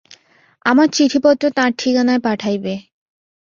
আমার চিঠিপত্র তাঁর ঠিকানায় পাঠাইবে।